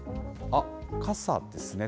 あっ、傘ですね。